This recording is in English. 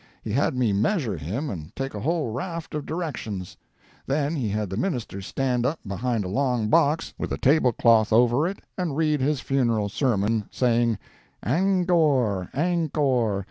He had me measure him and take a whole raft of directions; then he had the minister stand up behind a long box with a table cloth over it and read his funeral sermon, saying 'Angcore, angcore!'